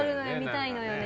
見たいのよね。